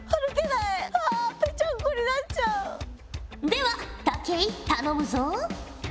では武井頼むぞ。